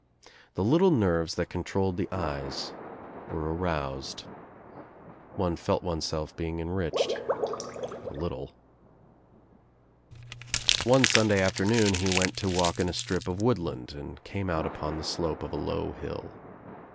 The little nervei that controlled the eyes were aroused. One felt one selT being enriched, a little — OUT OF NOWHERE INTO NOTHING 211 One Sunday afternoon he went to walk, in a strip of woodland and came out upon the slope of a low hill.